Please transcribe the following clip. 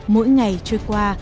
mỗi ngày trôi qua